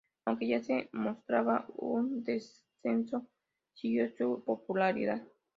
Aunque ya se mostraba un descenso siguió su popularidad.